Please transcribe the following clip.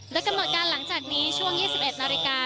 โดยกำหนดการหลังจากนี้ช่วง๒๑นาฬิกา